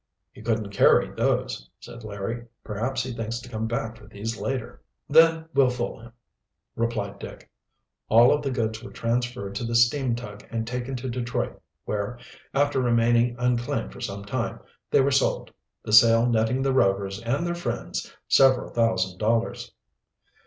"He couldn't carry those," said Larry. "Perhaps he thinks to come back for these later." "Then we'll fool him," replied Dick. All of the goods were transferred to the steam tug and taken to Detroit, where, after remaining unclaimed for some time, they were sold, the sale netting the Rovers and their friends several thousand dollars.